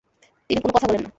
তিনি কোন কথা বলেন না।